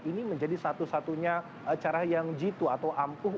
ini menjadi satu satunya cara yang jitu atau ampuh